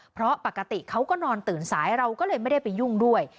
เพราะปกติเขาก็นอนตื่นสายเราก็เลยไม่ได้ไปยุ่งด้วย